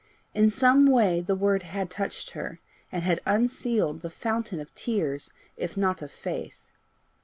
In some way the word had touched her, and had unsealed the fountain of tears, if not of faith.